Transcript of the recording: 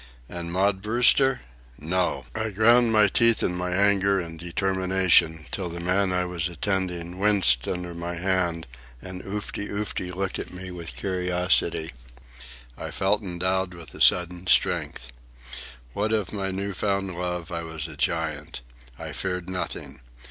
And Maud Brewster? No! I ground my teeth in my anger and determination till the man I was attending winced under my hand and Oofty Oofty looked at me with curiosity. I felt endowed with a sudden strength. What of my new found love, I was a giant. I feared nothing.